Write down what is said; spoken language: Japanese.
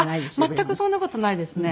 全くそんな事ないですね。